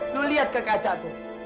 lo liat ke kacau